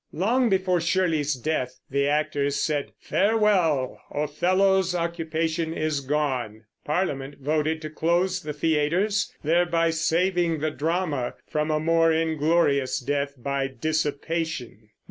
Long before Shirley's death the actors said, "Farewell! Othello's occupation's gone." Parliament voted to close the theaters, thereby saving the drama from a more inglorious death by dissipation.